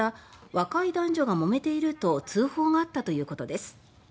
「若い男女がもめている」と通報があったということです。